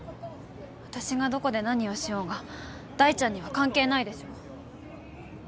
私がどこで何をしようが大ちゃんには関係ないでしょ。